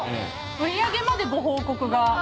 売上までご報告が。